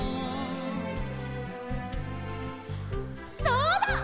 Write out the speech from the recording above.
そうだ！